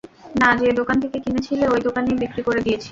না, যে দোকান থেকে কিনেছিলে ঐ দোকানেই বিক্রি করে দিয়েছি।